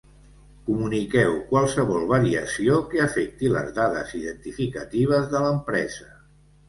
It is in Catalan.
Comuniqueu qualsevol variació que afecti les dades identificatives de l'empresa.